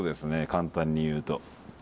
簡単に言うと。